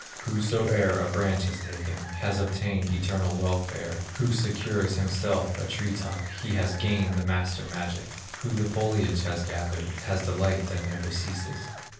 Whosoe'er a branch has taken, Has obtained eternal welfare; Who secures himself a tree top, He has gained the master magic; Who the foliage has gathered, Has delight that never ceases.